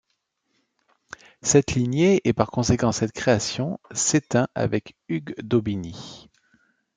Cette lignée, et par conséquent cette création s'éteint avec Hugh d'Aubigny.